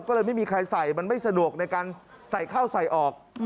ก็เลยไม่มีใครใส่มันไม่สะดวกในการใส่ข้าวใส่ออก